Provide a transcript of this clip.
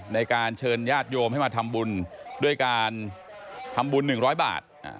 ในการเชิญญาติโยมให้มาทำบุญด้วยการทำบุญ๑๐๐บาท